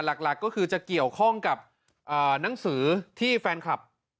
หลักก็คือจะเกี่ยวข้องกับหนังสือที่แฟนคลับ